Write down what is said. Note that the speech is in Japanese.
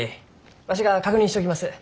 わしが確認しちょきます。